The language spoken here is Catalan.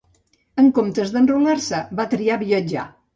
En comptes d'enrolar-se va triar viatjar.